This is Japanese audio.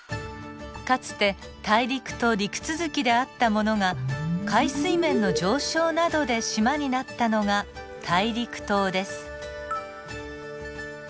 かつて大陸と陸続きであったものが海水面の上昇などで島になったのが大陸島です。